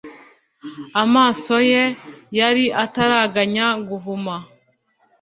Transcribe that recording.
amaso ye yari ataraganya guhuma,